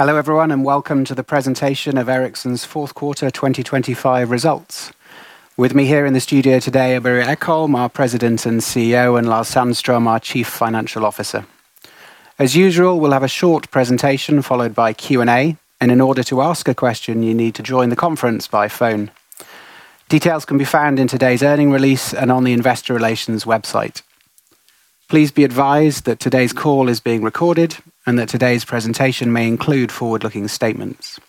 Hello everyone and welcome to the presentation of Ericsson's Fourth Quarter 2025 Results. With me here in the studio today are Börje Ekholm, our President and CEO, and Lars Sandström, our Chief Financial Officer. As usual, we'll have a short presentation followed by Q&A, and in order to ask a question, you need to join the conference by phone. Details can be found in today's earnings release and on the investor relations website. Please be advised that today's call is being recorded and that today's presentation may include forward-looking statements.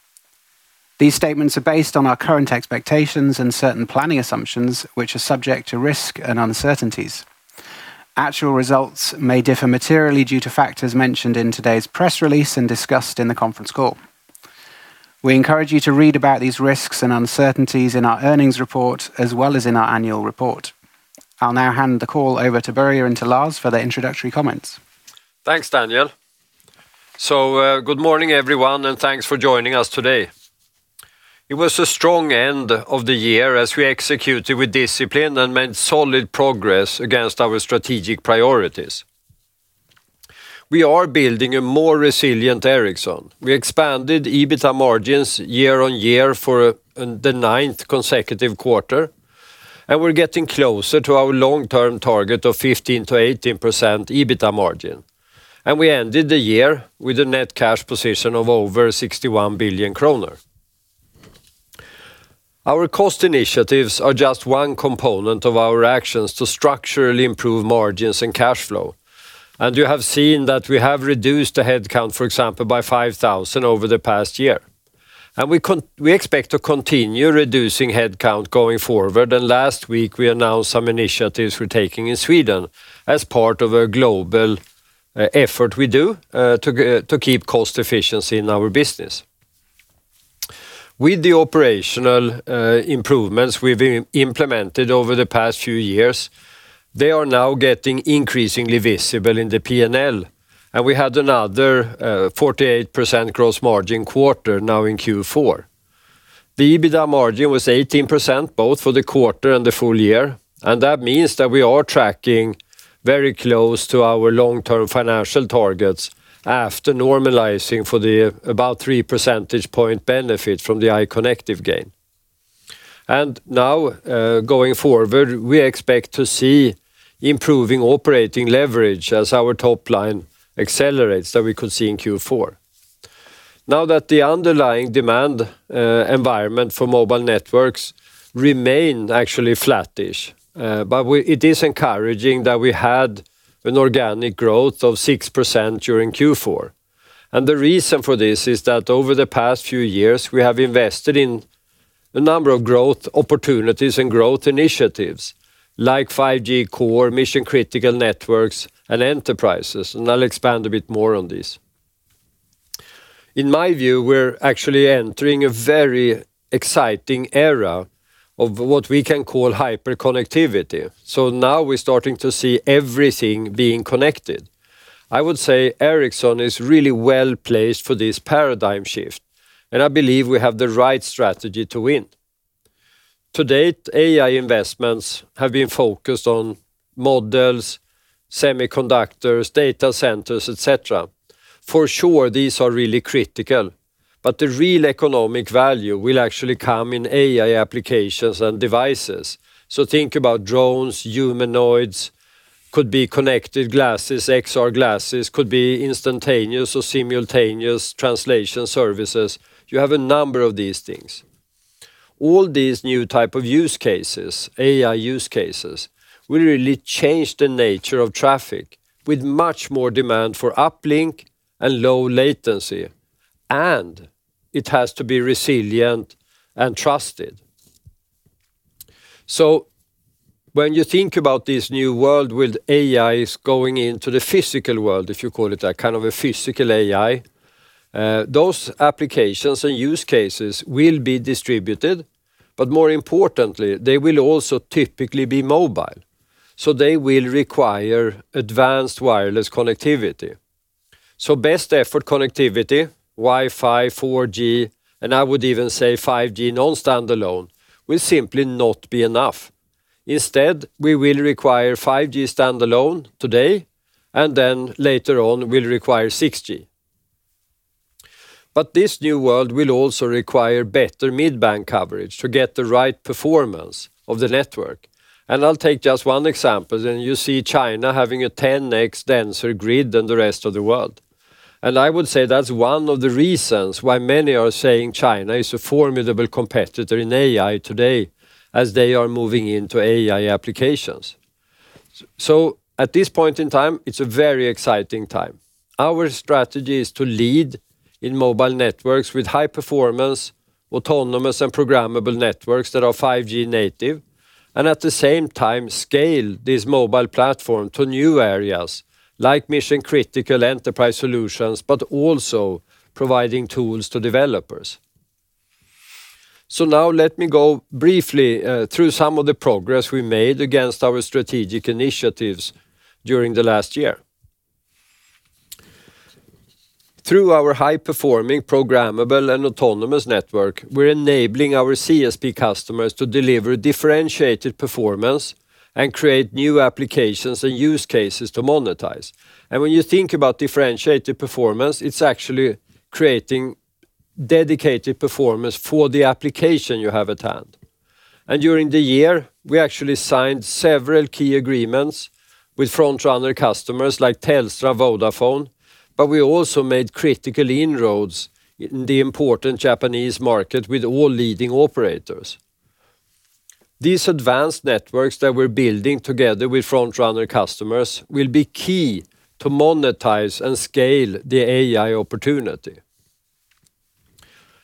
These statements are based on our current expectations and certain planning assumptions which are subject to risks and uncertainties. Actual results may differ materially due to factors mentioned in today's press release and discussed in the conference call. We encourage you to read about these risks and uncertainties in our earnings report as well as in our annual report. I'll now hand the call over to Börje and Lars for their introductory comments. Thanks, Daniel. So good morning everyone and thanks for joining us today. It was a strong end of the year as we executed with discipline and made solid progress against our strategic priorities. We are building a more resilient Ericsson. We expanded EBITDA margins year-on-year for the ninth consecutive quarter and we're getting closer to our long term target of 15%-18% EBITDA margin. And we ended the year with a net cash position of over 61 billion kronor. Our cost initiatives are just one component of our actions to structurally improve margins and cash flow. And you have seen that we have reduced the headcount, for example, by 5,000 over the past year. And we expect to continue reducing headcount going forward. And last week we announced some initiatives we're taking in Sweden as part of a global effort we do to keep cost efficiency in our business. With the operational improvements we've implemented over the past few years, they are now getting increasingly visible in the P&L. And we had another 48% gross margin quarter. Now in Q4, the EBITDA margin was 18% both for the quarter and the full year. And that means that we are tracking very close to our long term financial targets after normalizing for the about 3 percentage point benefit from the iconectiv gain. And now going forward we expect to see improving operating leverage as our top line accelerates. That we could see in Q4 now that the underlying demand environment for mobile networks remain actually flattish. But it is encouraging that we had an organic growth of 6% during Q4. And the reason for this is that over the past few years we have invested in a number of growth opportunities and growth initiatives like 5G Core, Mission Critical Networks and enterprises. And I'll expand a bit more on this. In my view, we're actually entering a very exciting era of what we can call hyper connectivity. So now we're starting to see everything being connected. I would say Ericsson is really well placed for this paradigm shift and I believe we have the right strategy to win. To date, AI investments have been focused on models, semiconductors, data centers, etc. For sure, these are really critical. But the real economic value will actually come in AI applications and devices. So think about drones, humanoids, could be connected glasses, XR glasses, could be instantaneous or simultaneous translation services. You have a number of these things, all these new type of use cases. AI use cases will really change the nature of traffic with much more demand for uplink and low latency, and it has to be resilient and trusted, so when you think about this new world with AI going into the physical world, if you call it that kind of a physical AI, those applications and use cases will be distributed, but more importantly, they will also typically be mobile, so they will require advanced wireless connectivity, so best effort connectivity, Wi-Fi, 4G and I would even say 5G non-standalone will simply not be enough. Instead we will require 5G standalone today and then later on will require 6G, but this new world will also require better mid-band coverage to get the right performance of the network. And I'll take just one example and you see China having a 10x denser grid than the rest of the world. And I would say that's one of the reasons why many are saying China is a formidable competitor in AI today as they are moving into AI applications. So at this point in time, it's a very exciting time. Our strategy is to lead in mobile networks with high performance autonomous and programmable networks that are 5G native. And at the same time scale this mobile platform to new areas like Mission Critical Enterprise Solutions, but also providing tools to developers. So now let me go briefly through some of the progress we made against our strategic initiatives during the last year. Through our high performing programmable and autonomous network, we're enabling our CSP customers to deliver differentiated performance and create new applications and use cases to monetize. And when you think about differentiated performance, it's actually creating dedicated performance for the application you have at hand. And during the year we actually signed several key agreements with frontrunner customers like Telstra, Vodafone. But we also made critical inroads in the important Japanese market with all leading operators. These advanced networks that we're building together with frontrunner customers will be key to monetize and scale the AI opportunity.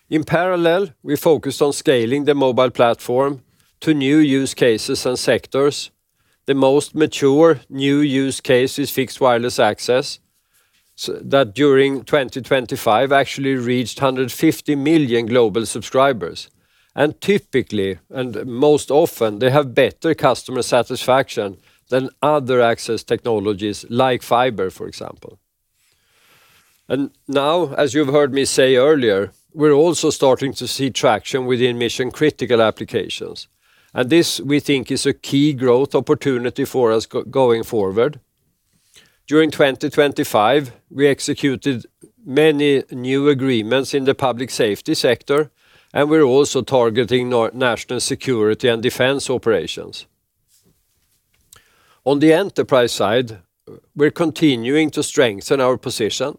In parallel, we focused on scaling the mobile platform to new use cases and sectors. The most mature new use case is fixed wireless access that during 2025 actually reached 150 million global subscribers. And typically, and most often they have better customer satisfaction than other access technologies like fiber, for example. And now, as you've heard me say earlier, we're also starting to see traction within Mission Critical applications. This we think is a key growth opportunity for us going forward. During 2025, we executed many new agreements in the public safety sector and we're also targeting national security and defense operations. On the enterprise side, we're continuing to strengthen our position.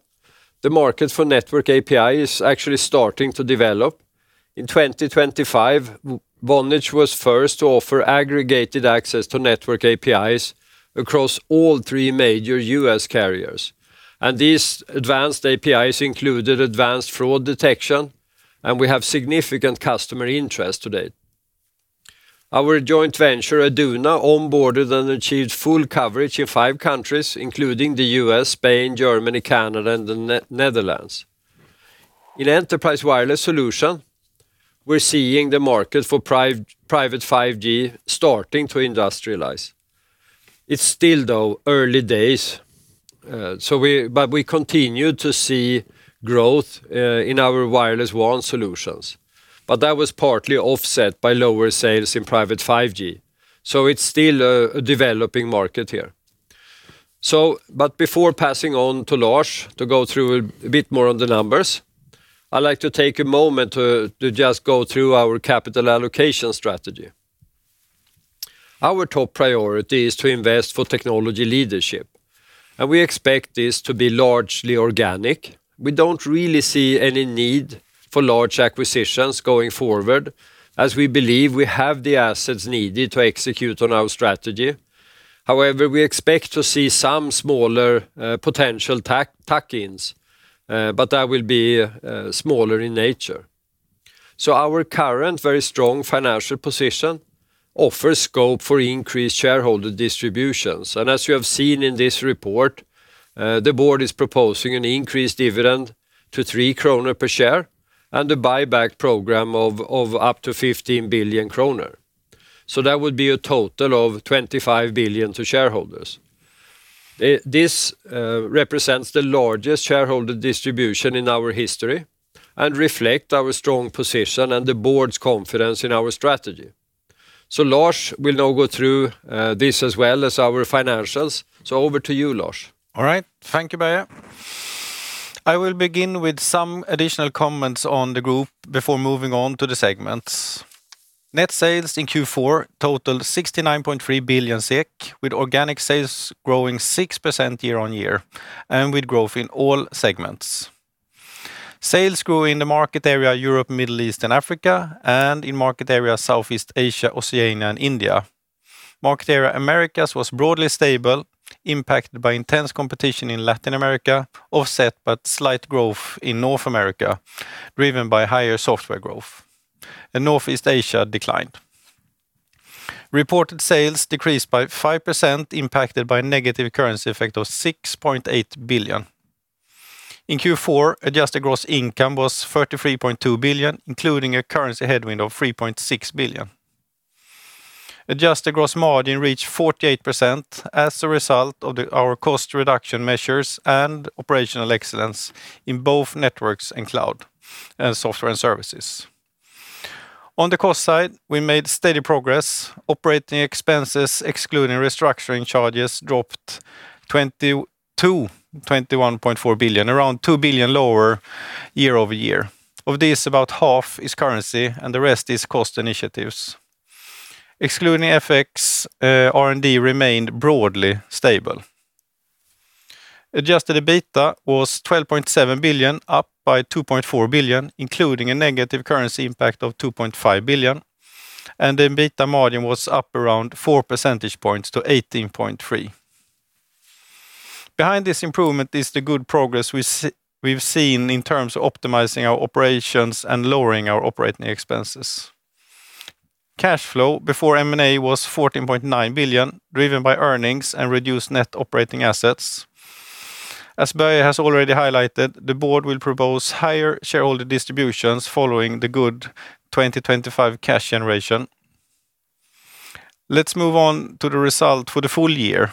The market for Network API is actually starting to develop. In 2025, Vonage was first to offer aggregated access to Network APIs across all three major U.S. carriers. These advanced APIs included advanced fraud detection and we have significant customer interest. Today, our joint venture Aduna onboarded and achieved full coverage in five countries including the U.S., Spain, Germany, Canada and the Netherlands. In Enterprise Wireless Solutions, we're seeing the market for Private 5G starting to industrialize. It's still though early days, but we continue to see growth in our wireless WAN solutions. That was partly offset by lower sales in Private 5G. It's still a developing market here. Before passing on to Lars to go through a bit more on the numbers, I'd like to take a moment to just go through our capital allocation strategy. Our top priority is to invest for technology leadership and we expect this to be largely organic. We don't really see any need for large acquisitions going forward as we believe we have the assets needed to execute on our strategy. However, we expect to see some smaller potential tuck ins, but that will be smaller in nature. Our current very strong financial position offers scope for increased shareholder distributions. And as you have seen in this report, the board is proposing an increased dividend to 3 kronor per share and a buyback program of up to 15 billion kronor. That would be a total of 25 billion to shareholders. This represents the largest shareholder distribution in our history and reflect our strong position and the board's confidence in our strategy. So Lars will now go through this as well as our financials. So over to you, Lars. Alright, thank you, Börje. I will begin with some additional comments on the group before moving on to the segments. Net sales in Q4 totaled 69.3 billion SEK with organic sales growing 6% year-on-year and with growth in all segments. Sales grew in the market area Europe, Middle East and Africa and in Market Area South East Asia, Oceania and India. Market area Americas was broadly stable impacted by intense competition in Latin America offset by slight growth in North America driven by higher software growth and North East Asia declined. Reported sales decreased by 5% impacted by negative currency effect of 6.8 billion. In Q4, adjusted gross income was 33.2 billion including a currency headwind of 3.6 billion. Adjusted gross margin reached 48% as a result of our cost reduction measures and operational excellence in both Networks and Cloud Software and Services. On the cost side we made steady progress. Operating expenses excluding restructuring charges dropped 20 billion to 21.4 billion, around 2 billion lower year over year. Of this, about half is currency and the rest is cost. Initiatives excluding FX, R&D remained broadly stable. Adjusted EBITDA was 12.7 billion, up by 2.4 billion, including a negative currency impact of 2.5 billion and the EBITDA margin was up around 4 percentage points to 18.3%. Behind this improvement is the good progress we've seen in terms of optimizing our operations and lowering our operating expenses. Cash flow before M&A was 14.9 billion driven by earnings and reduced net operating assets. As Börje has already highlighted. The Board will propose higher shareholder distributions following the good 2025 cash generation. Let's move on to the result. For the full year,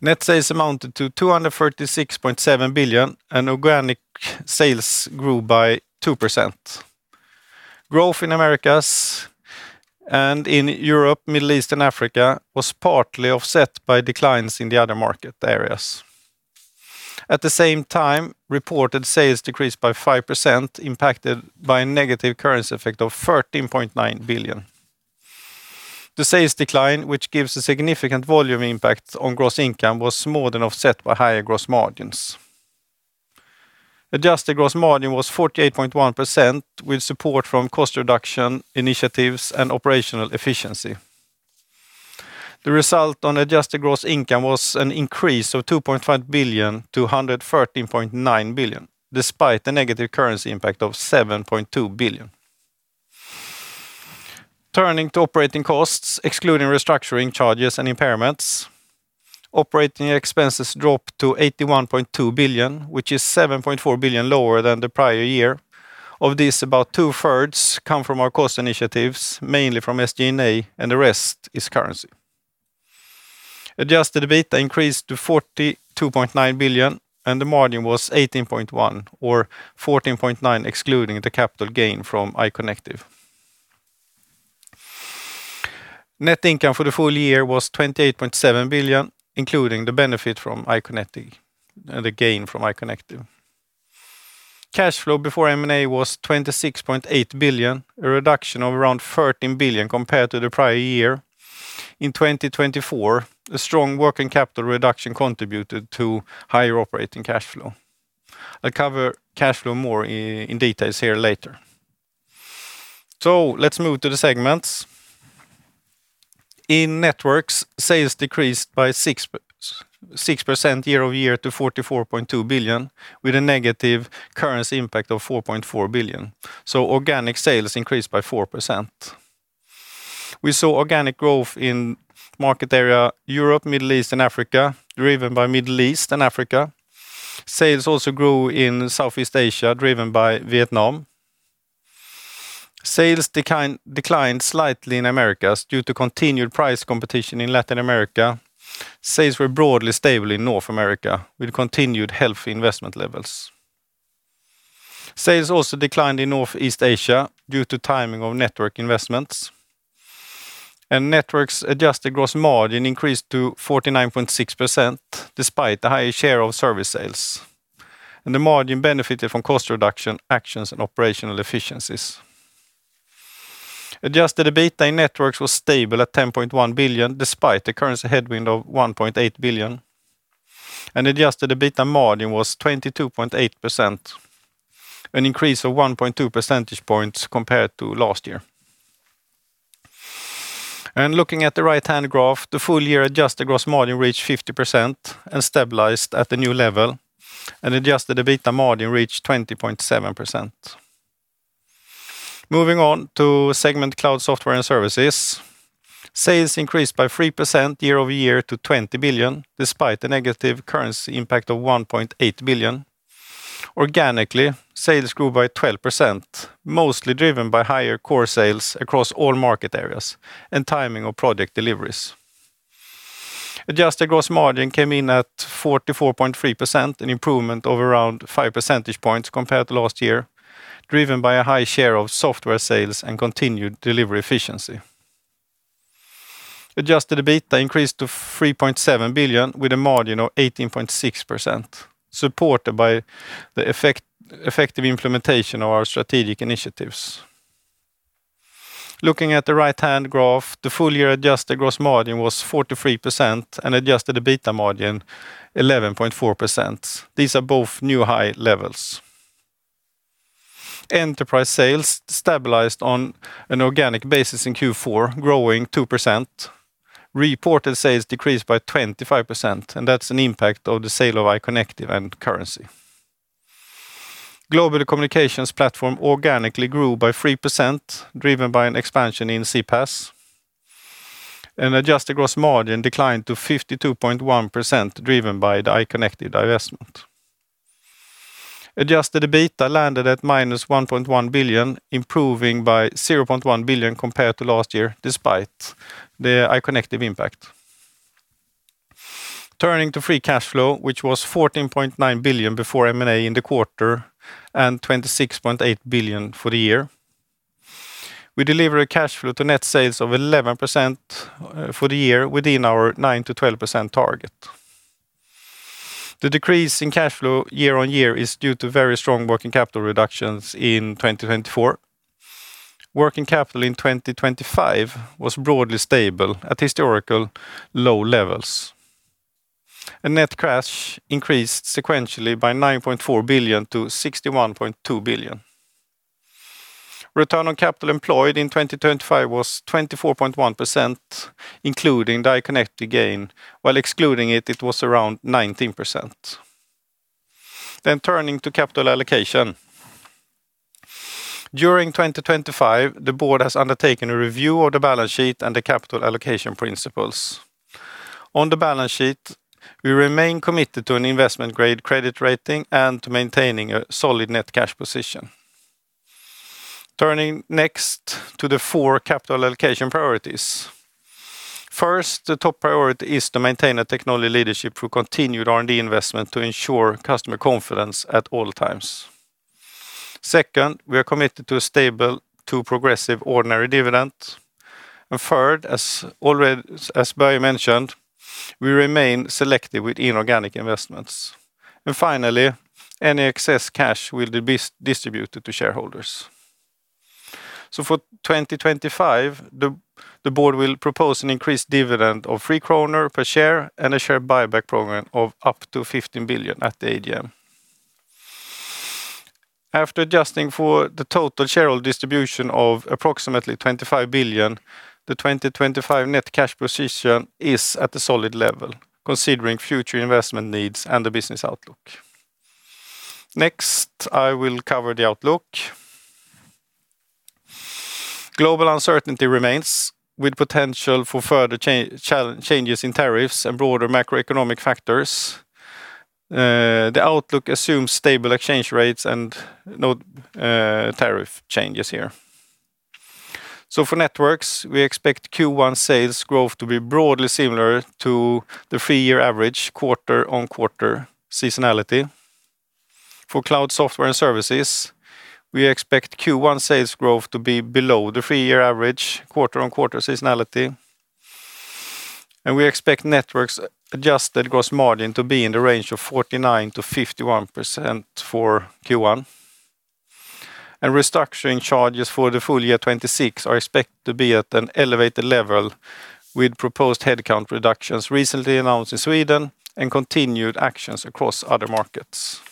net sales amounted to 236.7 billion and organic sales grew by 2%. Growth in Americas and in Europe, Middle East and Africa was partly offset by declines in the other market areas. At the same time, reported sales decreased by 5% impacted by a negative currency effect of 13.9 billion. The sales decline, which gives a significant volume impact on gross income, was more than offset by higher gross margins. Adjusted gross margin was 48.1% with support from cost reduction initiatives and operational efficiency. The result on adjusted gross income was an increase of 2.5 billion to 113.9 billion despite the negative currency impact of 7.2 billion. Turning to operating costs excluding restructuring charges and impairments, operating expenses dropped to 81.2 billion, which is 7.4 billion lower than the prior year. Of this, about 2/3 come from our cost initiatives, mainly from SG&A and the rest is currency. Adjusted EBITDA increased to 42.9 billion and the margin was 18.1% or 14.9% excluding the capital gain from iconectiv. Net income for the full year was 28.7 billion including the benefit from iconectiv and a gain from iconectiv. Cash flow before M&A was 26.8 billion, a reduction of around 13 billion compared to the prior year. In 2024, a strong working capital reduction contributed to higher operating cash flow. I'll cover cash flow more in detail here later. Let's move to the segments. In Networks, sales decreased by 6% year over year to 44.2 billion with a negative currency impact of 4.4 billion. Organic sales increased by 4%. We saw organic growth in Market Area Europe, Middle East and Africa driven by Middle East and Africa. Sales also grew in Southeast Asia driven by Vietnam. Sales declined slightly in Americas due to continued price competition in Latin America. Sales were broadly stable in North America with continued healthy investment levels. Sales also declined in Northeast Asia due to timing of network investments, and Networks' adjusted gross margin increased to 49.6% despite a higher share of service sales. The margin benefited from cost reduction actions and operational efficiencies. Adjusted EBITDA, Networks was stable at 10.1 billion despite the currency headwind of 1.8 billion, and adjusted EBITDA margin was 22.8%, an increase of 1.2 percentage points compared to last year. And looking at the right-hand graph, the full-year adjusted gross margin reached 50% and stabilized at a new level, and adjusted EBITDA margin reached 20.7%. Moving on to segment Cloud and Software and Services, sales increased by 3% year over year to 20 billion despite the negative currency impact of 1.8 billion. Organic sales grew by 12%, mostly driven by higher core sales across all market areas and timing of project deliveries. Adjusted gross margin came in at 44.3%, an improvement of around 5 percentage points compared to last year driven by a high share of software sales and continued delivery efficiency. Adjusted EBITDA increased to 3.7 billion with a margin of 18.6% supported by the effective implementation of our strategic initiatives. Looking at the right-hand graph, the full-year adjusted gross margin was 43% and adjusted EBITDA margin 11.4%. These are both new high levels. Enterprise sales stabilized on an organic basis in Q4, growing 2%. Reported sales decreased by 25% and that's an impact of the sale of iconectiv and currency. Global Communications Platform organically grew by 3% driven by an expansion in CPaaS. An adjusted gross margin declined to 52.1% driven by the iconectiv divestment. Adjusted EBITDA landed at minus 1.1 billion improving by 0.1 billion compared to last year despite the high restructuring impact. Turning to free cash flow which was 14.9 billion before M&A in the quarter and 26.8 billion for the year, we deliver a cash flow to net sales of 11% for the year within our 9%-12% target. The decrease in cash flow year on year is due to very strong working capital reductions in 2024. Working capital in 2025 was broadly stable at historically low levels. Net cash increased sequentially by 9.4 billion to 61.2 billion. Return on capital employed in 2025 was 24.1% including the divestment gain while excluding it. Turning then to capital allocation during 2025 the board has undertaken a review of the balance sheet and the capital allocation principles. On the balance sheet we remain committed to an investment grade credit rating and maintaining a solid net cash position. Turning next to the four capital allocation priorities. First, the top priority is to maintain a technology leadership through continued R&D investment to ensure customer confidence all times. Second, we are committed to a stable to progressive ordinary dividend. And third, as Börje mentioned, we remain selective with inorganic investments and finally, any excess cash will be distributed to shareholders. So for 2025 the board will propose an increased dividend of 3 kronor per share and a share buyback program of up to 15 billion at the AGM. After adjusting for the total shareholder distribution of approximately 25 billion, the 2025 net cash position is at a solid level considering future investment needs and the business outlook. Next, I will cover the outlook. Global uncertainty remains with potential for further changes in tariffs and broader macroeconomic factors. The outlook assumes stable exchange rates and no tariff changes here. So for Networks we expect Q1 sales growth to be broadly similar to the three-year average quarter-on-quarter seasonality for Cloud Software and Services. We expect Q1 sales growth to be below the three-year average quarter-on-quarter seasonality and we expect Networks' adjusted gross margin to be in the range of 49%-51%. For Q1, and restructuring charges for the full year 2026 are expected to be at an elevated level with proposed headcount reductions recently announced in Sweden and continued actions across other markets.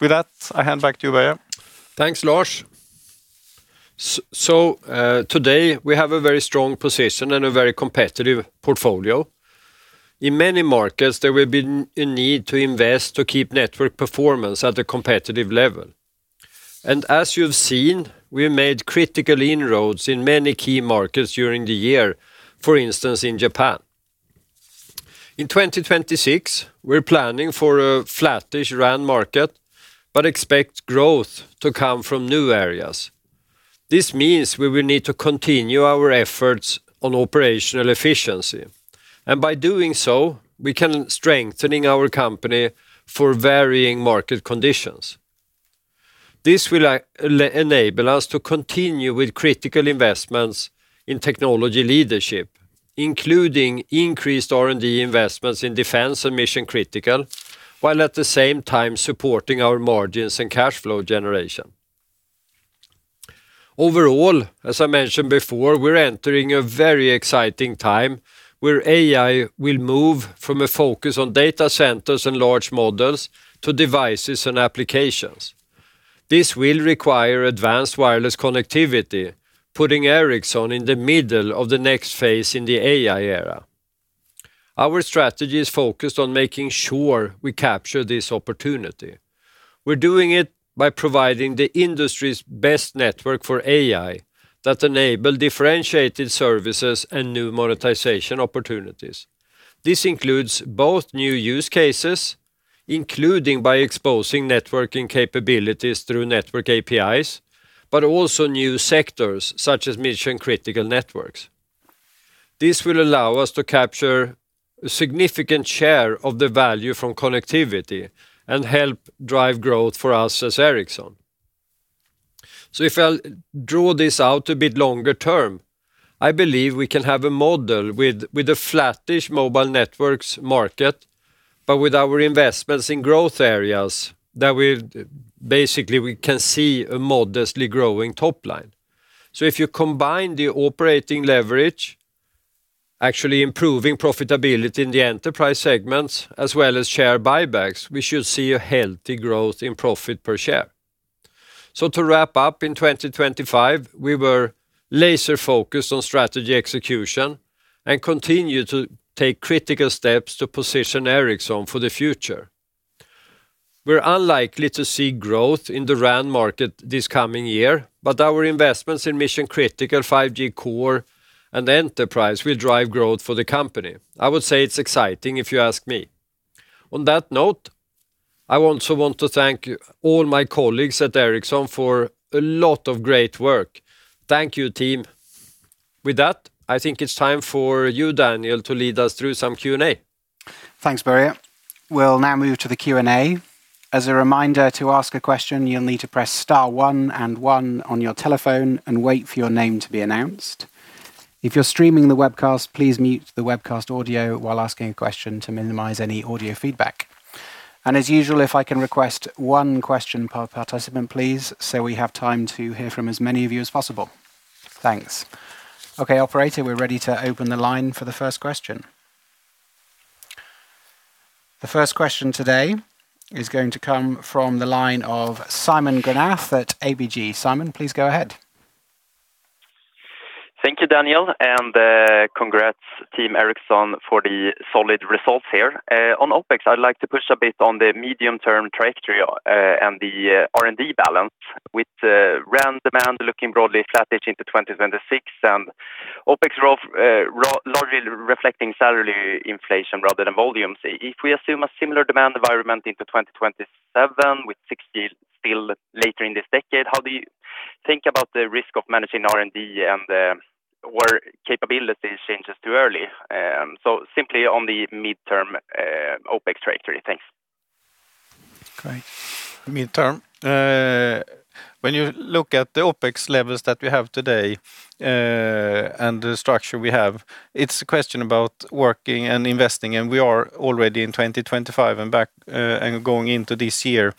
With that I hand back to you Börje. Thanks, Lars. Today we have a very strong position and a very competitive portfolio in many markets. There will be a need to invest to keep network performance at a competitive level and as you've seen, we made critical inroads in many key markets during the year. For instance, in Japan in 2026. We're planning for a flattish RAN market, but expect growth to come from new areas. This means we will need to continue our efforts on operational efficiency and by doing so we can strengthen our company for varying market conditions. This will enable us to continue with critical investments in technology leadership, including increased R&D investments in defense and Mission Critical, while at the same time supporting our margins and cash flow generation. Overall, as I mentioned before, we're entering a very exciting time where AI will move from a focus on data centers and large models to devices and applications. This will require advanced wireless connectivity, putting Ericsson in the middle of the next phase in the AI era. Our strategy is focused on making sure we capture this opportunity. We're doing it by providing the industry's best network for AI that enable differentiated services and new monetization opportunities. This includes both new use cases, including by exposing networking capabilities through network APIs, but also new sectors such as Mission Critical networks. This will allow us to capture a significant share of the value from connectivity and help drive growth for us as Ericsson. So if I draw this out a bit longer term, I believe we can have a model with a flattish mobile networks market, but with our investments in growth areas that basically we can see a modestly growing top line. So if you combine the operating leverage actually improving profitability in the enterprise segments as well as share buybacks, we should see a healthy growth in profit per share. To wrap up in 2025, we were laser focused on strategy execution and continue to take critical steps to position Ericsson for the future. We're unlikely to see growth in the RAN market this coming year, but our investments in Mission Critical 5G, Core and Enterprise will drive growth for the company. I would say it's exciting if you ask me. On that note, I also want to thank all my colleagues at Ericsson for a lot of great work. Thank you, team. With that, I think it's time for you, Daniel, to lead us through some Q&A. Thanks, Börje. We'll now move to the Q&A. As a reminder to ask a question, you'll need to press Star one and one on your telephone and wait for your name to be announced. If you're streaming the webcast, please mute the webcast audio while asking a question to minimize any audio feedback. And as usual, if I can request one question per participant, please, so we have time to hear from as many of you as possible. Thanks. Okay, operator, we're ready to open the line for the first question. The first question today is going to come from the line of Simon Granath at ABG. Simon, please go ahead. Thank you, Daniel. And congrats, team Ericsson, for the solid results here on OpEx. I'd like to push a bit on the medium-term trajectory and the R&D balance with RAN demand looking broadly flattish into 2026 and OpEx growth largely reflecting salary inflation rather than volume. If we assume a similar demand environment into 2027 with 6G still later in this decade, how do you think about the risk of managing R&D and whether capabilities change too early? So simply on the midterm OpEx trajectory. Thanks. Great. Midterm. When you look at the Opex levels that we have today and the structure we have, it's a question about working and investing, and we are already in 2025 and back and going into this year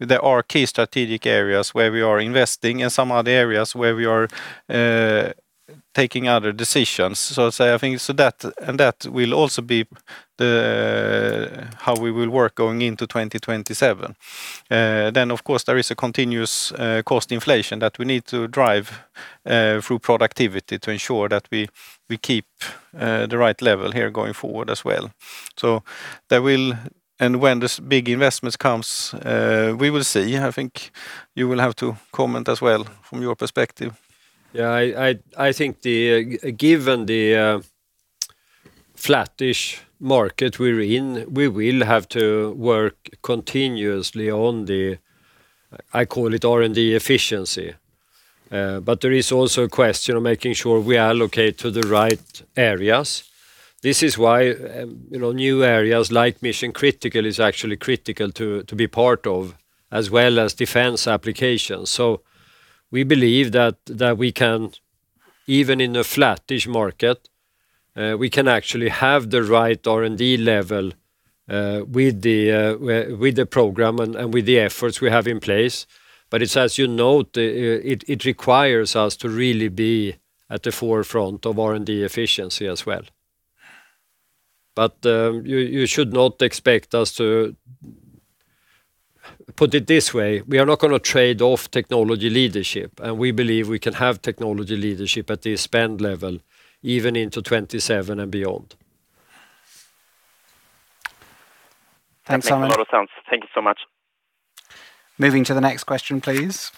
there are key strategic areas where we are investing and some other areas where we are taking other decisions. So I think, and that will also be how we will work going into 2027. Then of course there is a continuous cost inflation that we need to drive through productivity to ensure that we keep the right level here going forward as well, and when this big investment comes we will see. I think you will have to comment as well from your perspective. Yeah, I think given the flattish market we're in, we will have to work continuously on the, I call it, R&D efficiency. But there is also a question of making sure we allocate to the right areas. This is why new areas like Mission Critical is actually critical to be part of as well as defense applications. So we believe that we can even in the flattish market actually have the right R&D level with the program and with the efforts we have in place. But it's as you note, it requires us to really be at the forefront of R&D efficiency as well. But you should not expect us to put it this way. We are not going to trade off technology leadership and we believe we can have technology leadership at this spend level even into 2027 and beyond. Thanks a lot. Thank you so much. Moving to the next question, please.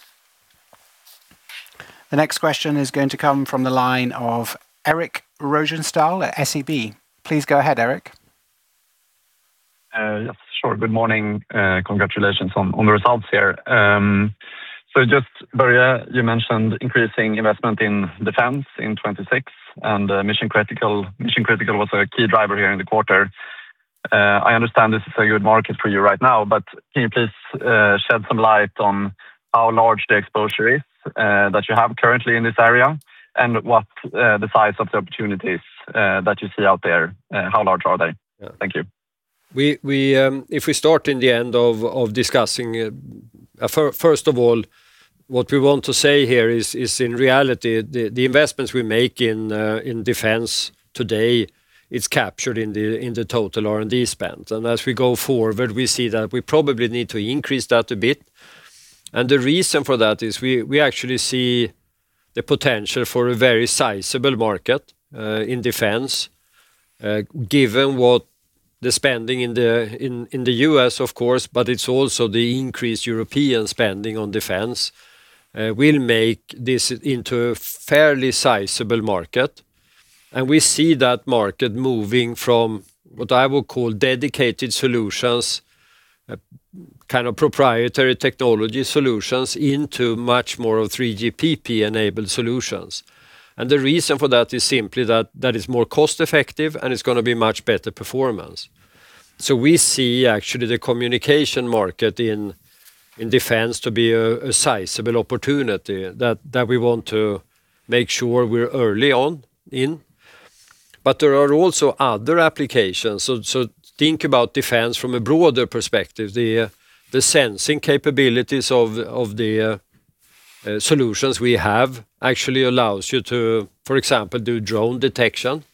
The next question is going to come from the line of Eric Rosenthal at SEB. Please go ahead, Eric. Yes, sure. Good morning. Congratulations on the results here. So just Börje, you mentioned increasing investment in Defense in 2026 and Mission Critical was a key driver here in the quarter. I understand this is a good market for you right now, but can you please shed some light on how large the exposure is that you have currently in this area and what the size of the opportunities that you see out there, how large are they? Thank you. If we start in the end of discussing, first of all what we want to say here is in reality the investments we make in defense today is captured in the total R&D spend, and as we go forward we see that we probably need to increase that a bit, and the reason for that is we actually see the potential for a very sizable market in defense, given what the spending in the U.S. of course, but it's also the increased European spending on defense will make this into a fairly sizable market, and we see that market moving from what I would call dedicated solutions, kind of proprietary technology solutions into much more of 3GPP-enabled solutions, and the reason for that is simply that it's more cost-effective and it's going to be much better performance. We see actually the communication market in defense to be a sizeable opportunity that we want to make sure we're early on in. But there are also other applications. Think about defense from a broader perspective. The sensing capabilities of the solutions we have actually allows you to, for example, do drone detection.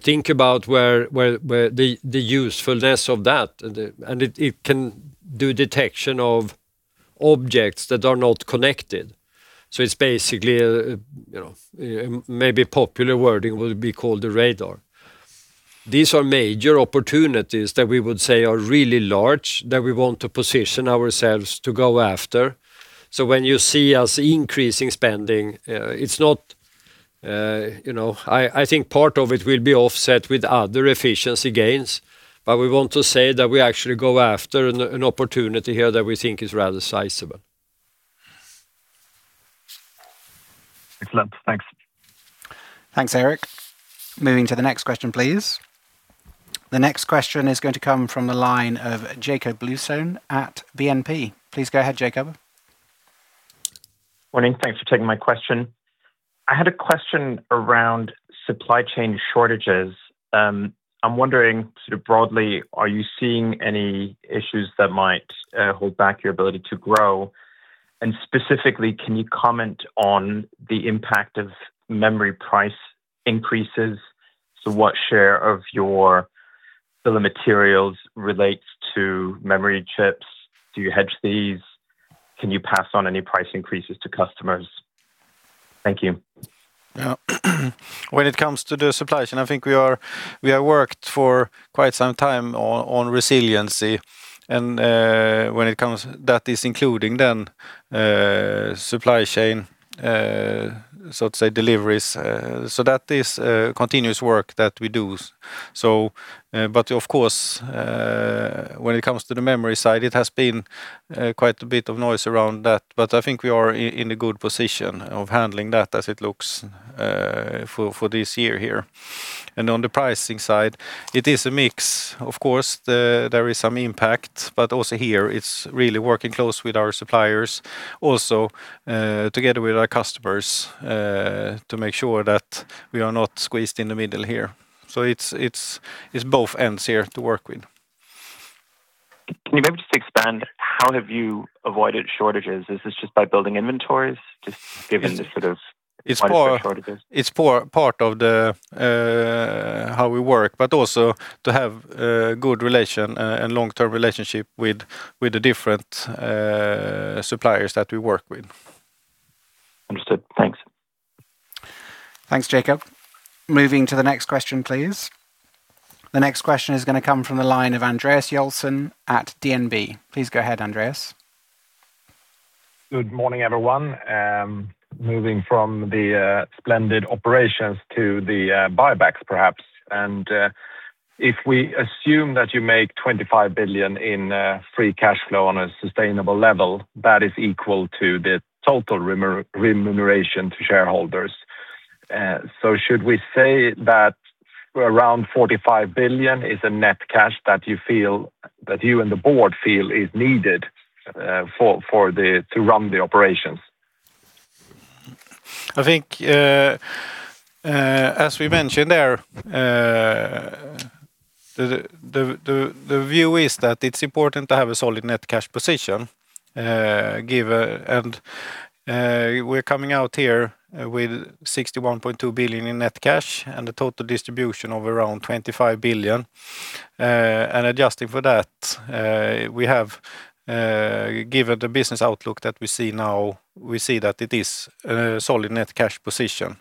Think about the usefulness of that. And it can do detection of objects that are not connected. So it's basically, you know, maybe popular wording would be called the radar. These are major opportunities that we would say are really large that we want to position ourselves to go after. When you see us increasing spending, it's not, you know, I think part of it will be offset with other efficiency gains. But we want to say that we actually go after an opportunity here that we think is rather sizable. Excellent, thanks. Thanks Eric. Moving to the next question please. The next question is going to come from the line of Jakob Bluestone at BNP. Please go ahead. Jakob, morning. Thanks for taking my question. I had a question around supply chain shortages. I'm wondering sort of broadly, are you seeing any issues that might hold back your ability to grow? And specifically can you comment on the impact of memory price increases? So what share of your bill of materials relates to memory chips? Do you hedge these? Can you pass on any price increases to customers? Thank you. When it comes to the supply chain, I think we are. We have worked for quite some time on resiliency, and when it comes, that is including then supply chain, so to say deliveries. So that is continuous work that we do. So but of course when it comes to the memory side, it has been quite a bit of noise around that, but I think we are in a good position of handling that as it looks for this year here, and on the pricing side it is a mix. Of course there is some impact. But also here it's really working close with our suppliers, also together with our customers to make sure that we are not squeezed in the middle here. So it's both ends here to work with. Can you maybe just expand? How have you avoided shortages? Is this just by building inventories, just given the sort of shortages? It's part of how we work, but also to have good relations and long-term relationships with the different suppliers that we work with. Understood. Thanks. Thanks, Jakob. Moving to the next question please. The next question is going to come from the line of Andreas Joelsson at DNB. Please go ahead, Andreas. Good morning, everyone. Moving from the splendid operations to the buybacks, perhaps and if we assume that you make 25 billion in free cash flow on a sustainable level, that is equal to the total remuneration to shareholders. So should we say that around 45 billion is a net cash that you feel that you and the board feel is needed to run the operations? I think as we mentioned there, the view is that it's important to have a solid net cash position, and we're coming out here with 61.2 billion in net cash and a total distribution of around 25 billion, and adjusting for that, we have given the business outlook that we see now, we see that it is a solid net cash position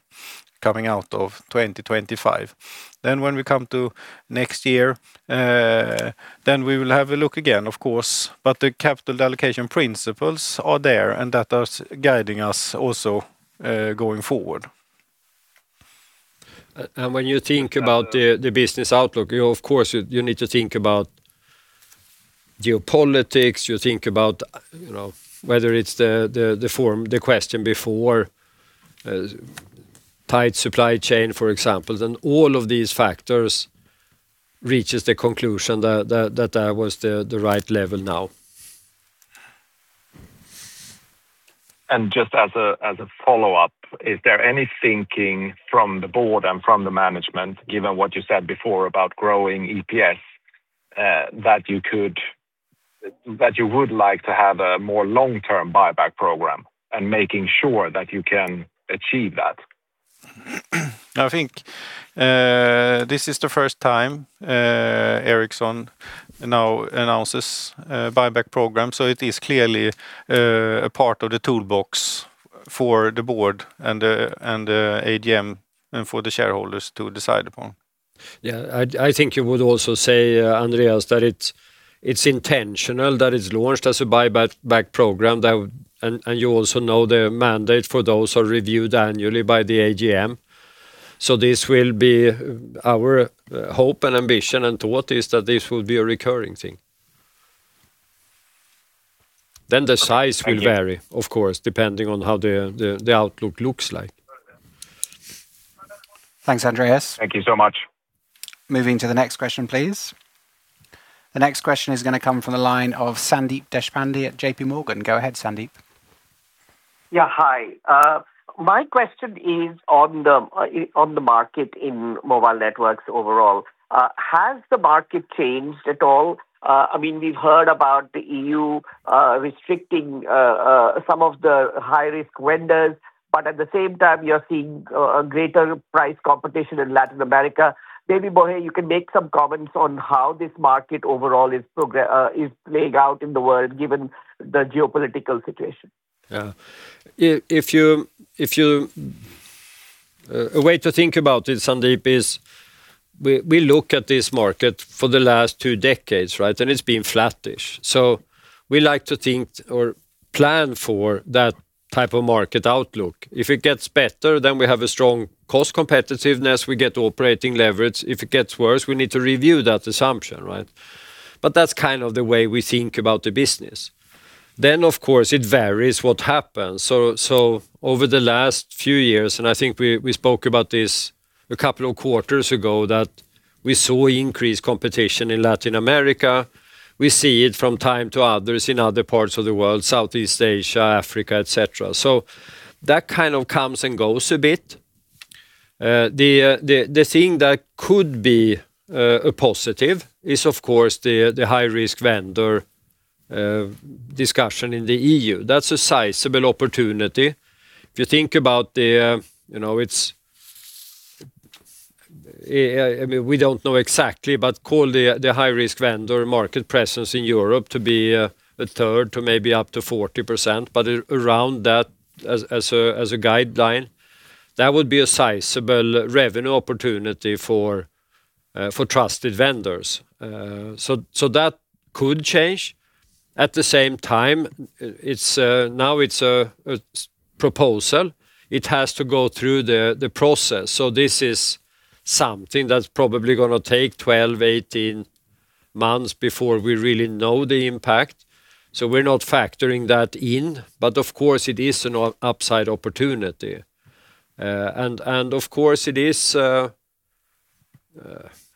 coming out of 2025, then when we come to next year then we will have a look again, of course, but the capital allocation principles are there and that are guiding us also going forward. And when you think about the business outlook, of course you need to think about geopolitics. You think about whether it's the question before tight supply chain, for example, and all of these factors reaches the conclusion that that was the right level. Now. Just as a follow up, is there any thinking from the board and from the management, given what you said before about growing EPS, that you would like to have a more long-term buyback program and making sure that you can achieve that? I think this is the first time Ericsson now announces buyback program, so it is clearly a part of the toolbox for the board and the AGM and for the shareholders to decide upon. Yeah, I think you would also say, Andreas, that it's intentional that it's launched as a buyback program and you also know the mandate for those are reviewed annually by the AGM. So this will be our hope and ambition. And to what is that? This will be a recurring thing, then the size will vary, of course, depending on how the outlook looks like. Thanks, Andreas. Thank you so much. Moving to the next question, please. The next question is going to come from the line of Sandeep Deshpande at J.P. Morgan. Go ahead, Sandeep. Yeah, hi. My question is on the market in mobile networks overall. Has the market changed at all? I mean, we've heard about the EU restricting some of the high risk vendors, but at the same time you're seeing a greater price competition in Latin America. Maybe Börje, you can make some comments on how this market overall is progressing. Is the progress playing out in the world given the geopolitical situation? A way to think about it, Sandeep, is we look at this market for the last two decades, right. And it's been flattish. So we like to think or plan for that type of market outlook. If it gets better, then we have a strong cost competitiveness, we get operating leverage. If it gets worse, we need to review that assumption. Right. That's kind of the way we think about the business. Of course it varies what happens. Over the last few years, and I think we spoke about this a couple of quarters ago, that we saw increased competition in Latin America, we see it from time to time in other parts of the world, Southeast Asia, Africa, et cetera. That kind of comes and goes a bit. The thing that could be a positive is of course the high risk vendor discussion in the EU. That's a sizeable opportunity. If you think about the, you know, it's, I mean, we don't know exactly, but call the high risk vendor market presence in Europe to be a third to maybe up to 40% but around that as a guideline, that would be a sizeable revenue opportunity for trusted vendors. That could change at the same time. Now it's a proposal, it has to go through the process, so this is something that's probably going to take 12-18 months before we really know the impact, so we're not factoring that in, but of course it is an upside opportunity and of course it is,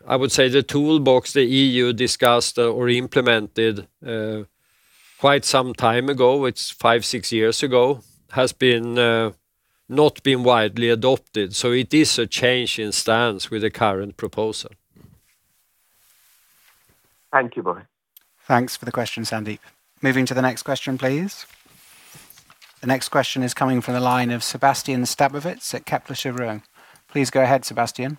I would say the toolbox the EU discussed or implemented quite some time ago, it's five-six years ago, has not been widely adopted, so it is a change in stance with the current proposal. Thank you, Börje. Thanks for the question, Sandeep. Moving to the next question please. The next question is coming from the line of Sébastien Sztabowicz at Kepler Cheuvreux. Please go ahead, Sebastian.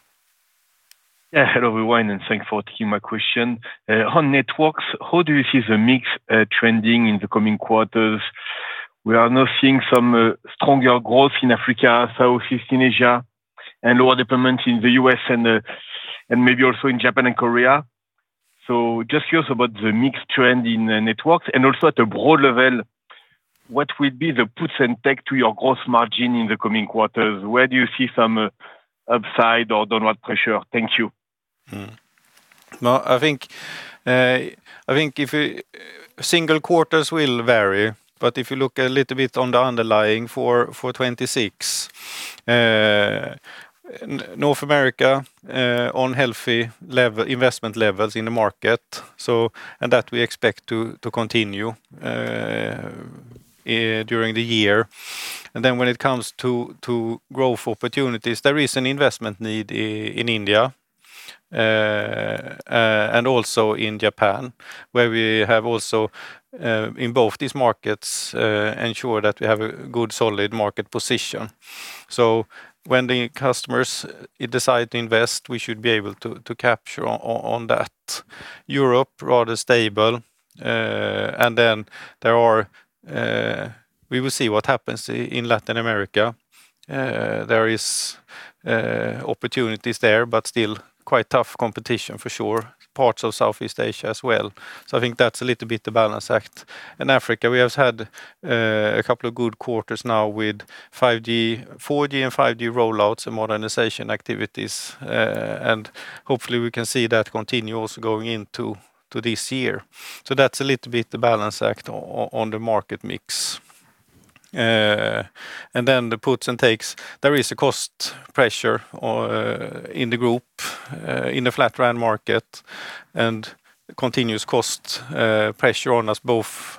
Yeah, hello everyone and thanks for taking my question. On networks, how do you see the mix trending in the coming quarters? We are now seeing some stronger growth in Africa, Southeast Asia and lower dependence in the U.S. and maybe also in Japan and Korea. So just curious about the mix trend in networks and also at a broad level, what will be the puts and take to your gross margin in the coming quarters? Where do you see some upside or downward pressure? Thank you. I think single quarters will vary, but if you look a little bit on the underlying for 2026. North America, on healthy investment levels in the market and that we expect to continue during the year, and then when it comes to growth opportunities, there is an investment need in India and also in Japan where we have also in both these markets ensure that we have a good solid market position. So when the customers decide to invest, we should be able to capture on that. Europe rather stable. And then there are. We will see what happens in Latin America. There is opportunities there, but still quite tough competition for sure. Parts of Southeast Asia as well. So I think that's a little bit the balancing act. In Africa, we have had a couple of good quarters now with 5G, 4G and 5G rollouts and modernization activities and hopefully we can see that continue also going into this year. So that's a little bit the balance act on the market mix and then the puts and takes. There is a cost pressure in the group in the flat RAN market and continuous cost pressure on us, both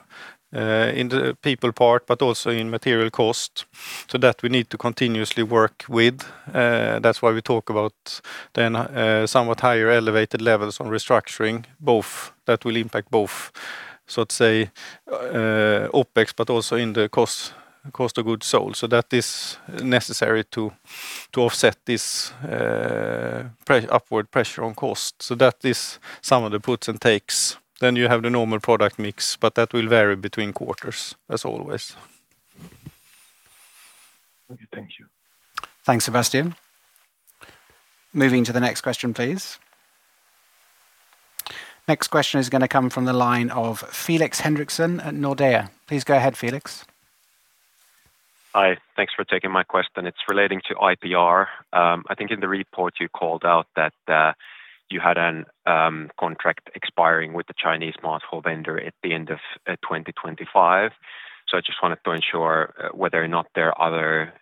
in the people part, but also in material cost. So that we need to continuously work with. That's why we talk about then somewhat higher elevated levels on restructuring both that will impact both. So let's say OpEx, but also in the cost of goods sold. So that is necessary to offset this upward pressure on cost. So that is some of the puts and takes. Then you have the normal product mix but that will vary between quarters as always. Okay, thank you. Thanks, Sébastien. Moving to the next question, please. Next question is going to come from the line of Felix Henriksson at Nordea. Please go ahead. Felix. Hi, thanks for taking my question. It's relating to IPR. I think in the report you called out that you had a contract expiring with the Chinese smartphone vendor at the end of 2025. So I just wanted to ensure whether or not there are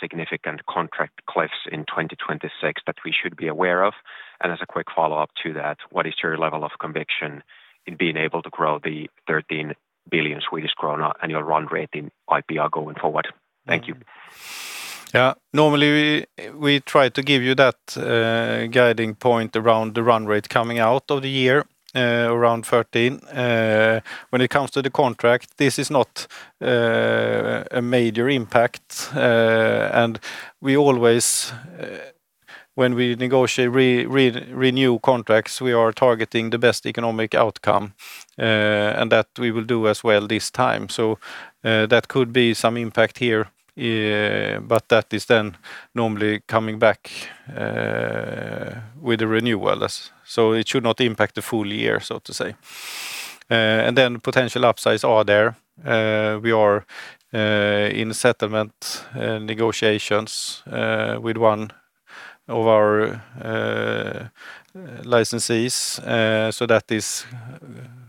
significant contract cliffs in 2026 that we should be aware of. And as a quick follow up to that, what is your level of conviction in being able to grow the 13 billion Swedish krona annual run rate in IPR going forward? Thank you. Normally, we try to give you that guiding point around the run rate coming out of the year around 13 billion. When it comes to the contract, this is not a major impact, and we always, when we negotiate renew contracts, are targeting the best economic outcome, and that we will do as well this time. So, that could be some impact here. But that is then normally coming back with the renewal, so it should not impact the full year, so to say. And then, potential upsides are there. We are in settlement negotiations with one of our licensees, so that is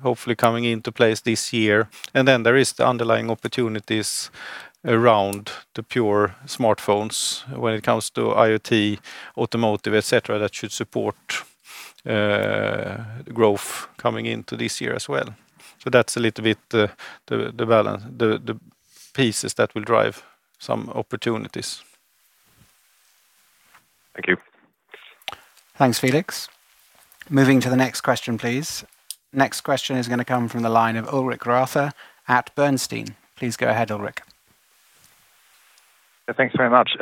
hopefully coming into place this year. And then, there is the underlying opportunities around the pure smartphones when it comes to IoT, automotive, etc. That should support growth coming into this year as well. So, that's a little bit the pieces that will drive some opportunities. Thank you. Thanks, Felix. Moving to the next question, please. Next question is going to come from the line of Ulrich Rathe at Bernstein. Please go ahead, Ulrich. Thanks very much.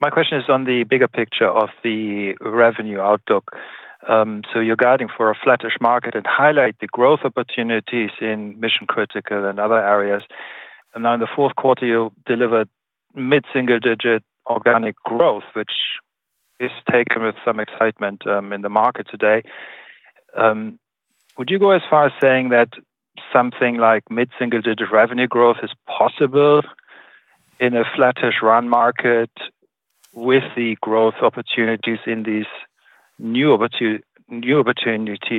My question is on the bigger picture of the revenue outlook. So you're guiding for a flattish market and highlight the growth opportunities in Mission Critical and other areas. And now in the fourth quarter you delivered mid single digit organic growth which is taken with some excitement in the market today. Would you go as far as saying that something like mid single digit revenue growth is possible in a flattish RAN market with the growth opportunities in these new opportunity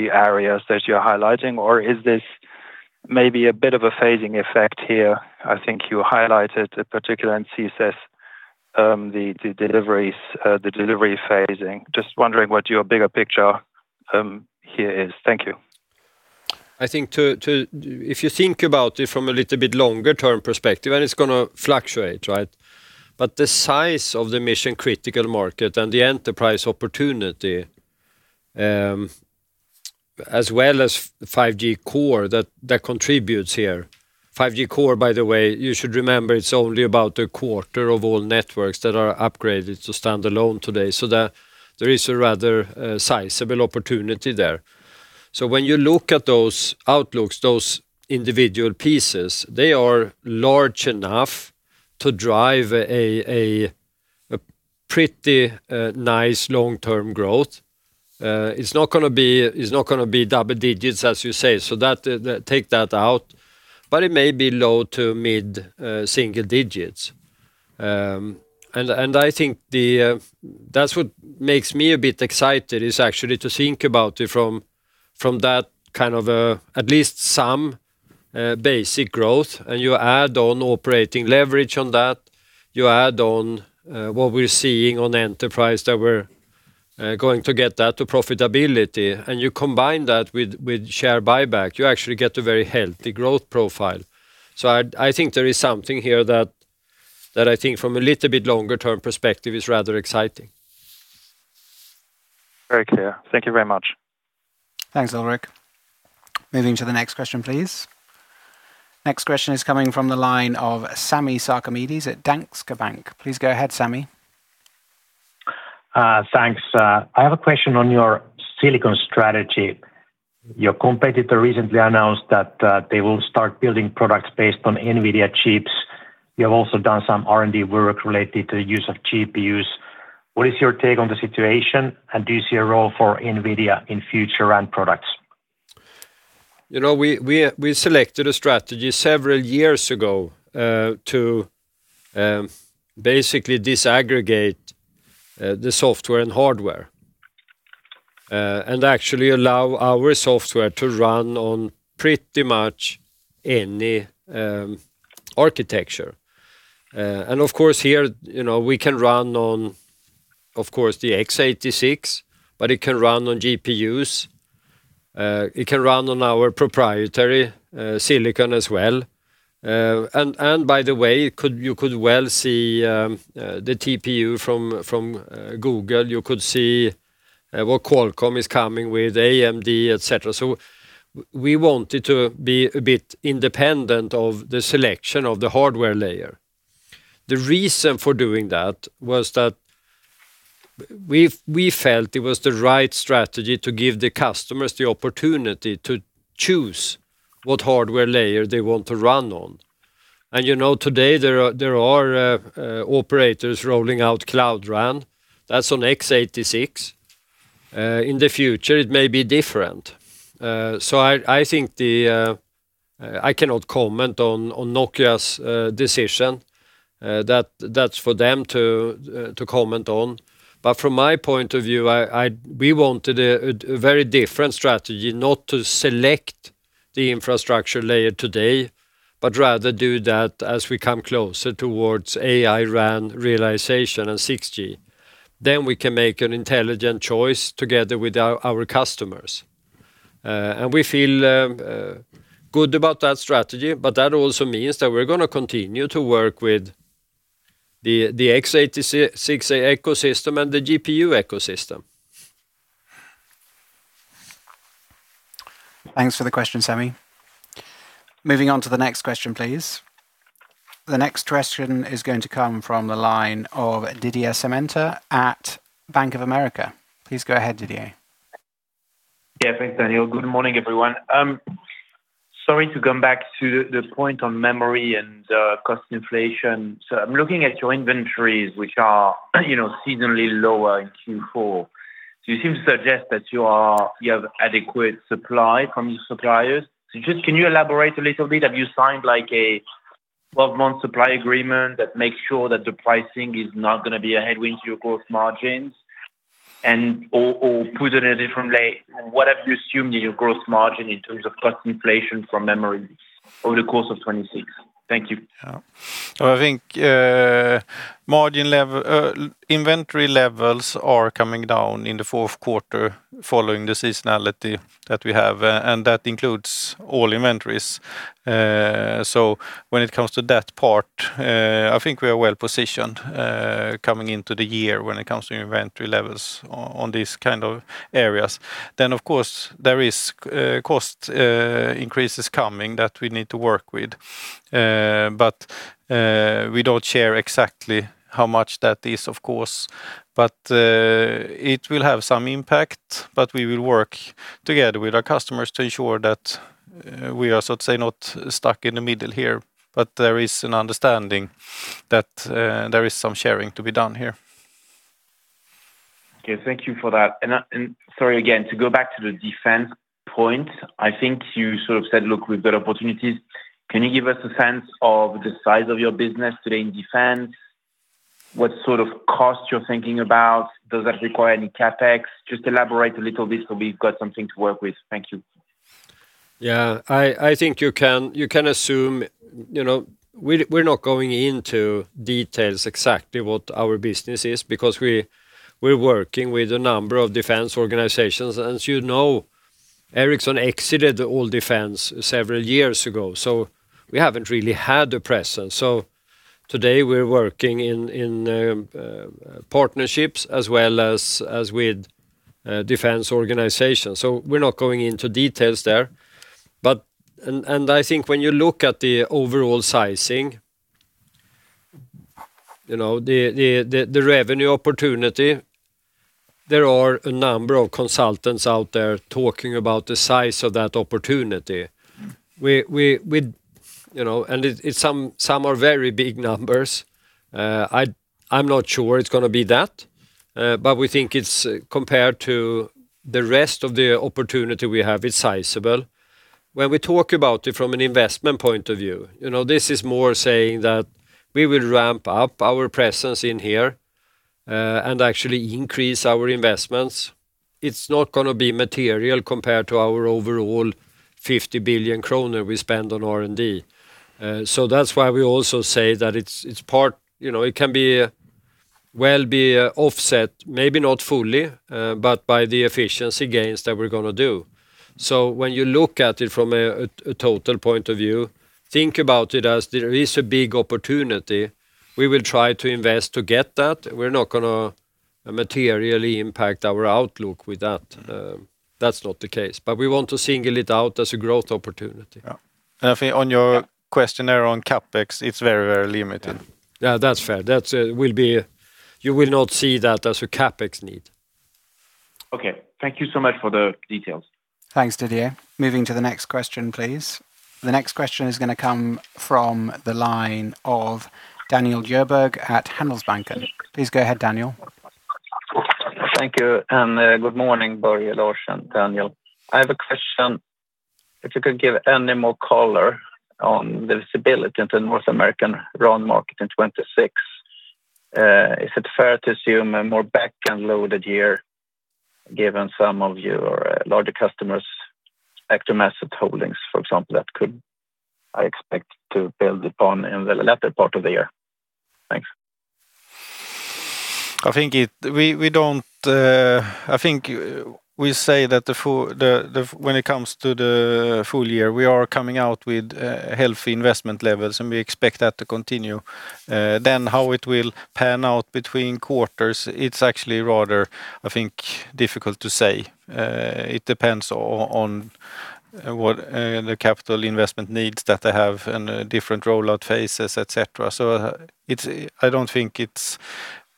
areas that you're highlighting? Or is this maybe a bit of a phasing effect here? I think you highlighted, particularly in CSPs, the deliveries, the delivery phasing. Just wondering what your bigger picture here is. Thank you. I think if you think about it from a little bit longer term perspective and it's going to fluctuate, right? But the size of the Mission Critical market and the Enterprise opportunity as well as 5G core that contributes here. 5G core. By the way, you should remember it's only about a quarter of all networks that are upgraded to standalone today. So there is a rather sizable opportunity there. So when you look at those outlooks, those individual pieces, they are large enough to drive a pretty nice long term growth. It's not going to be double digits as you say, so take that out. But it may be low to mid single digits and I think that's what makes me a bit excited is actually to think about it from that kind of at least some basic growth and you add on operating leverage on that, you add on what we're seeing on enterprise that we're going to get that to profitability and you combine that with share buyback, you actually get a very healthy growth profile. So I think there is something here that I think from a little bit longer term perspective is rather exciting. Very clear. Thank you very much. Thanks Ulrich. Moving to the next question, please. Next question is coming from the line of Sami Sarkamies at Danske Bank. Please go ahead, Sami. Thanks. I have a question on your silicon strategy. Your competitor recently announced that they will start building products based on NVIDIA chips. You have also done some R&D work related to the use of GPUs. What is your take on the situation and do you see a role for NVIDIA in future RAN products? You know, we selected a strategy several years ago to basically disaggregate the software and hardware and actually allow our software to run on pretty much any architecture. And of course here, you know, we can run on of course the x86, but it can run on GPUs. It can run on our proprietary silicon as well. And by the way, you could well see the TPU from Google. You could see what Qualcomm is coming with AMD, etc. So we wanted to be a bit independent of the selection of the hardware layer. The reason for doing that was that we felt it was the right strategy to give the customers the opportunity to choose what hardware layer they want to run on. And you know, today there are operators rolling out Cloud RAN that's on x86. In the future it may be different. So I think the-- I cannot comment on Nokia's decision, that's for them to comment on, but from my point of view, we wanted a very different strategy not to select the infrastructure layer today, but rather do that as we come closer towards AI RAN realization and 6G, then we can make an intelligent choice together with our customers, and we feel good about that strategy, but that also means that we're going to continue to work with the x86 ecosystem and the GPU ecosystem. Thanks for the question, Sami. Moving on to the next question please. The next question is going to come from the line of Didier Scemama at Bank of America. Please go ahead, Didier. Yeah, thanks Daniel. Good morning everyone. Sorry to come back to the point on memory and cost inflation. So I'm looking at your inventories, which are, you know, seasonally lower in Q4. So you seem to suggest that you are, you have adequate supply from your suppliers. Just can you elaborate a little bit? Have you signed like a 12-month supply agreement that makes sure that the pricing is not going to be a headwind to your gross margins and or put it in a different way. What have you assumed in your gross margin in terms of cost inflation from memory over the course of 2026? Thank you. I think margin level, inventory levels are coming down in the fourth quarter following the seasonality that we have, and that includes all inventories. So when it comes to that part, I think we are well positioned coming into the year when it comes to inventory levels on this kind of areas. Then of course there is cost increases coming that we need to work with, but we don't share exactly how much that is, of course, but it will have some impact. But we will work together with our customers to ensure that we are, so to say, not stuck in the middle here. But there is an understanding that there is some sharing to be done here. Okay, thank you for that. And sorry again to go back to the defense point. I think you sort of said, look, we've got opportunities. Can you give us a sense of the size of your business today in defense, what sort of cost you're thinking about? Does that require any CapEx? Just elaborate a little bit. So we've got something to work with. Thank you. Yeah, I think you can assume, you know, we're not going into details exactly what our business is because we're working with a number of defense organizations. As you know, Ericsson exited all defense several years ago, so we haven't really had a presence. So today we're working in partnerships as well as with defense organizations. So we're not going into details there. I think when you look at the overall sizing, you know, the revenue opportunity, there are a number of consultants out there talking about the size of that opportunity, and some are very big numbers. I'm not sure it's going to be that, but we think it's, compared to the rest of the opportunity we have, sizeable. When we talk about it from an investment point of view, you know, this is more saying that we will ramp up our presence in here and actually increase our investments. It's not going to be material compared to our overall 50 billion kronor we spend on R&D. So that's why we also say that it's part, you know, it can be, well, be offset, maybe not fully, but by the efficiency gains that we're going to do. When you look at it from a total point of view, think about it as there is a big opportunity. We will try to invest to get that. We're not going to materially impact our outlook with that. That's not the case. But we want to single it out as a growth opportunity. And I think. On your questionnaire on CapEx it's very, very limited. Yeah, that's fair. That will be. You will not see that as a CapEx need. Okay, thank you so much for the details. Thanks Didier. Moving to the next question please. The next question is going to come from the line of Daniel Djurberg at Handelsbanken. Please go ahead Daniel. Thank you and good morning. Börje and Daniel, I have a question. If you could give any more color on the visibility of the North American RAN market in 2026, is it fair to assume a more back-end loaded year given some of your larger customers' spectrum asset holdings for example that could I expect to build upon in the latter part of the year. Thanks. I think we don't. I think we say that when it comes to the full year, we are coming out with healthy investment levels and we expect that to continue. Then how it will pan out between quarters, it's actually rather, I think, difficult to say. It depends on what the capital investment needs that they have and different rollout phases, etc. So I don't think it's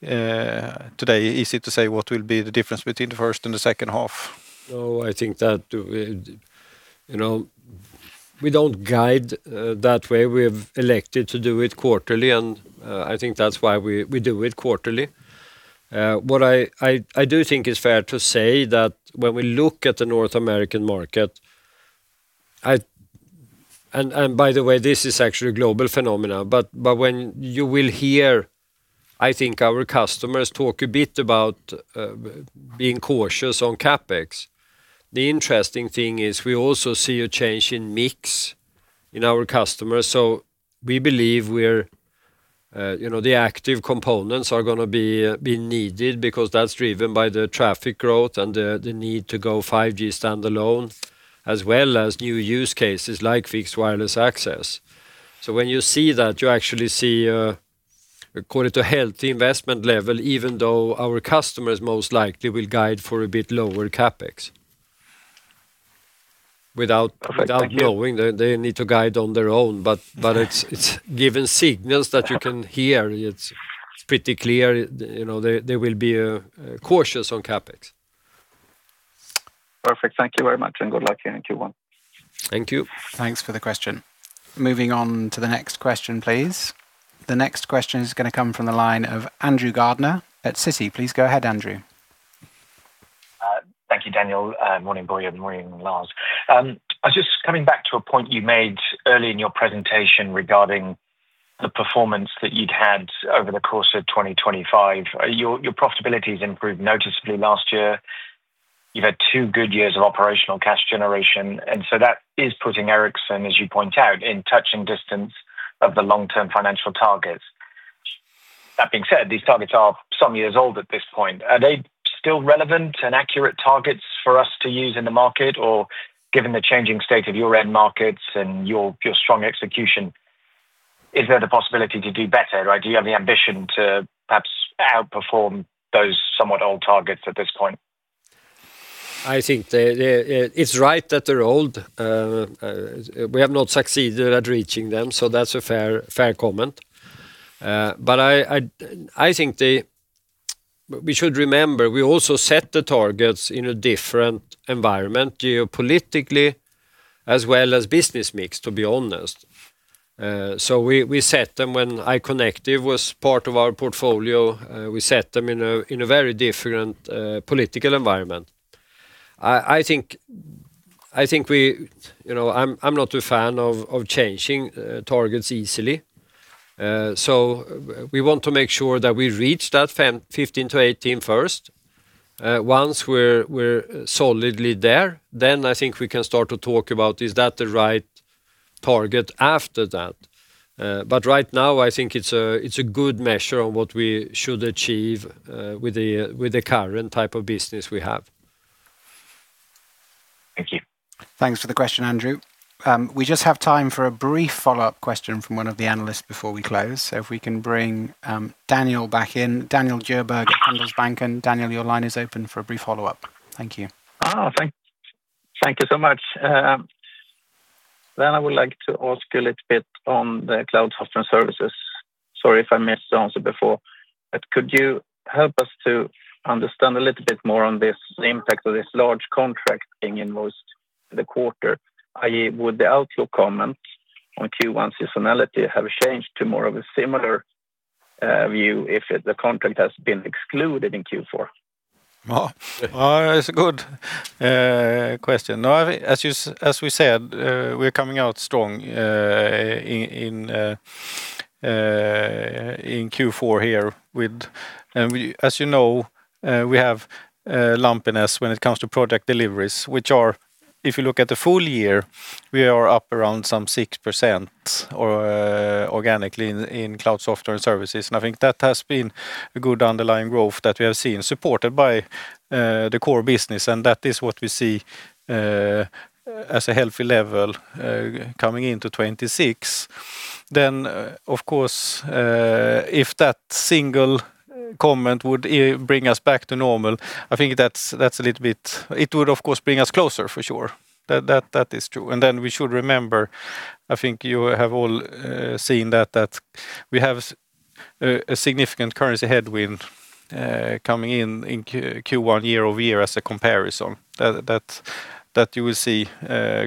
too easy to say what will be the difference between the first and the second half. No, I think that you know we don't guide that way. We have elected to do it quarterly and I think that's why we do it quarterly. What I do think is fair to say that when we look at the North American market and by the way this is actually a global phenomenon but when you will hear, I think our customers talk a bit about being cautious on CapEx. The interesting thing is we also see a change in mix in our customers. We believe the active components are going to be needed because that's driven by the traffic growth and the need to go 5G Standalone as well as new use cases like fixed wireless access. So when you see that, you actually see according to healthy investment level even though our customers most likely will guide for a bit lower CapEx without knowing they need to guide on their own, but it's given signals that you can hear it's pretty clear they will be cautious on CapEx. Perfect. Thank you very much and good luck here in Q1. Thank you. Thanks for the question. Moving on to the next question please. The next question is going to come from the line of Andrew Gardiner at Citi. Please go ahead Andrew. Thank you, Daniel. Morning, Börje. Lars, I was just coming back to a point you made early in your presentation regarding the performance that you'd had over the course of 2025. Your profitability has improved noticeably. Last year you've had two good years of operational cash generation. And so that is putting Ericsson, as you point out, in touching distance of the long-term financial targets. That being said, these targets are some years old at this point. Are they still relevant and accurate targets for us to use in the market? Or given the changing state of your end markets and your strong execution, is there the possibility to do better? Do you have the ambition to perhaps outperform those somewhat old targets at this point? I think it's right that they're old. We have not succeeded at reaching them. So that's a fair, fair comment. But I think we should remember we also set the targets in a different environment, geopolitically as well as business mix, to be honest. So we set them when iconectiv was part of our portfolio. We set them in a very different political environment. I think we, you know, I'm not a fan of changing targets easily. So we want to make sure that we reach that 15-18 first. Once we're solidly there, then I think we can start to talk about is that the right target after that. But right now I think it's a good measure on what we should achieve with the current type of business we have. Thank you. Thanks for the question, Andrew. We just have time for a brief follow up question from one of the analysts before we close, so if we can bring Daniel back in. Daniel Djurberg at Handelsbanken. Daniel, your line is open for a brief follow up. Thank you. Thank you so much. Then I would like to ask you a little bit on the Cloud Software Services. Sorry if I missed answer before, but could you help us to understand a little bit more on this impact of this large contract being invoiced for the quarter? That is, would the outlook comments on Q1 seasonality have changed to more of a similar view if the contract has been excluded in Q4? That's a good question. As we said, we're coming out strong in Q4 here. As you know, we have lumpiness when it comes to project deliveries which are, if you look at the full year, we are up around some 6% organically in Cloud Software and Services, and I think that has been a good underlying growth that we have seen supported by the core business and that is what we see as a healthy level coming into 2026, then of course, if that single comment would bring us back to normal, I think that's a little bit. It would of course bring us closer for sure that that is true. We should remember, I think you have all seen that, that we have a significant currency headwind coming in Q1 year over year as a comparison that you will see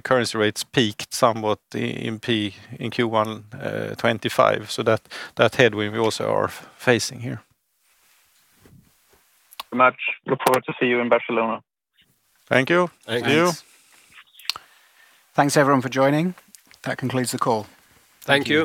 currency rates peaked somewhat in Q1 2025. So that headwind we also are facing here. Thank you very much. Look forward to seeing you in Barcelona. Thank you. Thank you. Thanks everyone for joining. That concludes the call. Thank you.